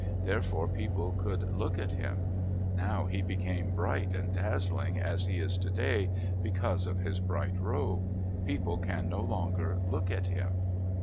Therefore people could look at him. Now he became bright and dazzling as he is today, because of his bright robe. People can no longer look at him.